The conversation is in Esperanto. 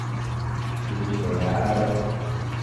Kiu bojaro?